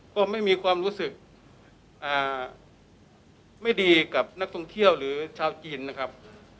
ก็ไม่มีความรู้สึกไม่ดีกับนักท่องเที่ยวหรือชาวจีนนะครับ